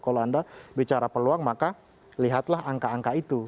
kalau anda bicara peluang maka lihatlah angka angka itu